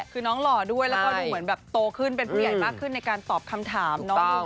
แล้วเหมือนโตขึ้นเป็นผู้ใหญ่มากขึ้นในการตอบคำถาม